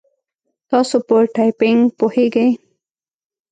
تاسو په ټایپینګ پوهیږئ؟